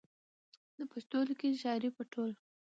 د پښتو ليکنۍ شاعرۍ په ټول